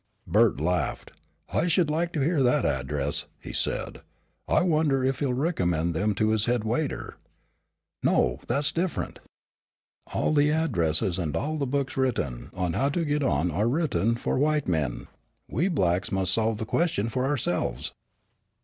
Bert laughed. "I should like to hear that address," he said. "I wonder if he'll recommend them to his head waiter. No, 'that's different.' All the addresses and all the books written on how to get on, are written for white men. We blacks must solve the question for ourselves."